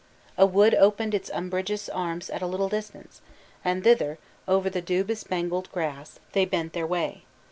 A wood opened its umbrageous arms at a little distance; and thither, over the dew bespangled grass, they bent their way.